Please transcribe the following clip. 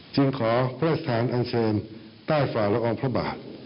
จึงขอพระอสถานอันเชนต้ายฝ่าและอองพระบาท